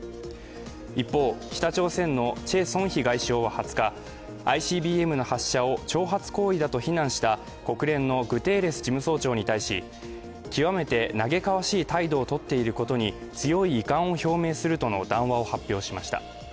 一方、北朝鮮のチェ・ソンヒ外相は２０日、ＩＣＢＭの発射を挑発行為だと非難した国連のグテーレス事務総長に対し極めて嘆かわしい態度をとっていることに強い遺憾を表明するとの談話を発表しました。